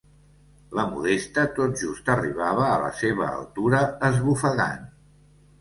La Modesta tot just arribava a la seva altura, esbufegant.